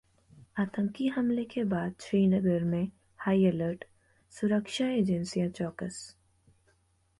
आतंकी हमले के बाद श्रीनगर में हाई अलर्ट, सुरक्षा एजेंसियां चौकस